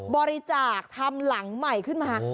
บริจาคทำหลังใหม่ขึ้นมา